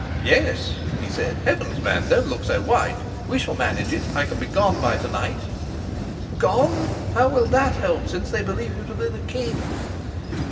"Yes," he said. "Heavens, man, don't look so white! We shall manage it. I can be gone by to night." "Gone? How will that help, since they believe you to be the king?"